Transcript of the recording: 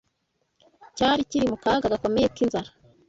cyari kiri mu kaga gakomeye k’inzara